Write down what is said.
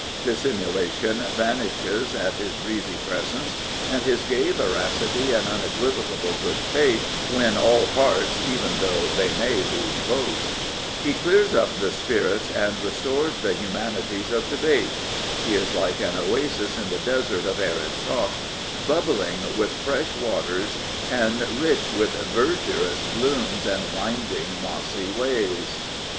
'' Dis simulation vanishes at his breezy presence, and his gay veracity and unequivocal good faith win all hearts even though they may lose votes. He clears \^p the spirits and restores the humanities of debate. He is like an oasis in the desert of arid talk, bubbling with fresh waters and rich with Verdurous glooms and binding mossy ways.